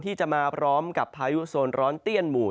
ที่จะมาพร้อมกับพายุโซนร้อนเตี้ยนหมู่